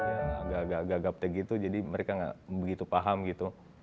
agak agak gapte gitu jadi mereka gak begitu paham gitu